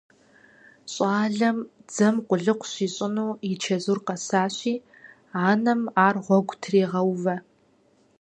ЩӀалэм дзэм къулыкъу щищӀэну и чэзур къэсащи, анэм ар гъуэгу трегъэувэ.